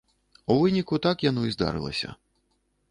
У выніку так яно і здарылася.